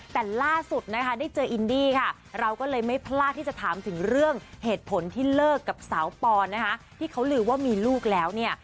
แต่ล่าสุดนะคะได้เจออินดี้ค่ะเราก็เลยไม่พลาดที่จะถามถึงเรื่องเหตุผลที่เลิกกับสาวปอนนะคะที่เขาลืมว่ามีลูกแล้วเนี่ย